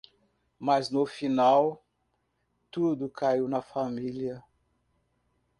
Mas no final... tudo caiu na família.